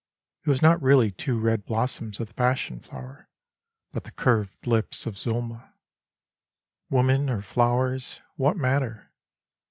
It was not really two red blossoms of the passion flower But the curved lips of Zulma. Women or flowers, what matter